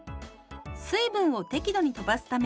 水分を適度にとばすため